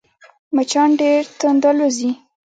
مچان ډېر تند الوزي